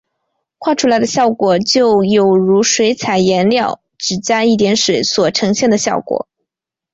画出来的效果就有如水彩颜料只加一点水所呈现的效果。